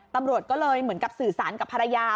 ตำรวจก็เลยเหมือนกับสื่อสารกับภรรยา